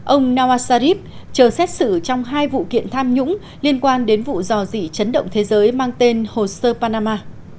ông nawaz sharif chờ xét xử trong hai vụ kiện tham nhũng liên quan đến vụ dò dị chấn động thế giới mang tên hoser panama